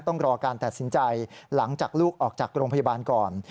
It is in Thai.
ต้องรอการตัดสินใจหลังจากลูกออกจากโรงพยาบาลก่อน